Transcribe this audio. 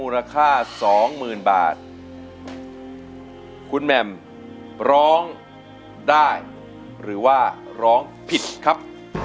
โทษให้โทษให้โทษให้โทษให้โทษให้โทษให้